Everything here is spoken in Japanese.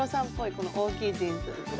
この大きいジーンズ。